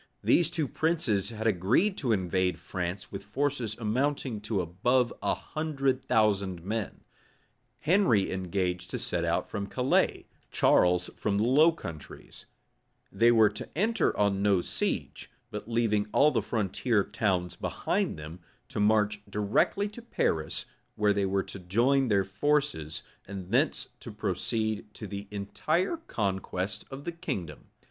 These two princes had agreed to invade France with forces amounting to above a hundred thousand men: Henry engaged to set out from Calais; Charles from the Low Countries: they were to enter on no siege; but leaving all the frontier towns behind them, to march directly to Paris, where they were to join their forces, and thence to proceed to the entire conquest of the kingdom.